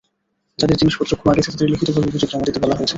যাদের জিনিসপত্র খোয়া গেছে তাদের লিখিতভাবে অভিযোগ জমা দিতে বলা হয়েছে।